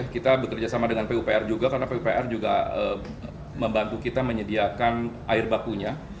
kita bekerja sama dengan pupr juga karena pupr juga membantu kita menyediakan air bakunya